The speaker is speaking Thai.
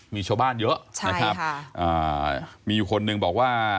มีชาวบ้านเยอะใช่ค่ะนะครับอ่ามีคนหนึ่งบอกว่า